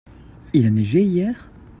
Il a neigé hier ?